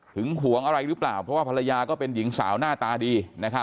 หวงอะไรหรือเปล่าเพราะว่าภรรยาก็เป็นหญิงสาวหน้าตาดี